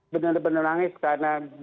benar benar nangis karena